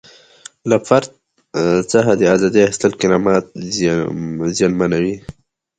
له فرد څخه د ازادۍ اخیستل کرامت زیانمنوي.